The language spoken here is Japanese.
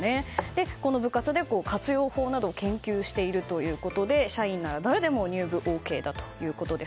この部活で活用法などを研究しているということで社員なら誰でも入部ＯＫだということです。